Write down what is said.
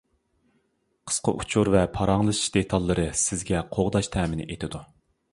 قىسقا ئۇچۇر ۋە پاراڭلىشىش دېتاللىرى سىزگە قوغداش تەمىن ئېتىدۇ.